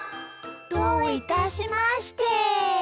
どういたしまして。